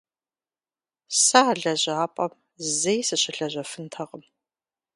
Сэ а лэжьапӏэм зэи сыщылэжьэфынтэкъым.